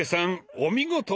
お見事！